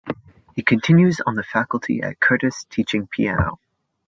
He continues on the faculty at Curtis teaching piano.